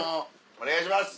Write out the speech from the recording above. お願いします！